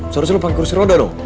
seharusnya lo pake kerusi roda dong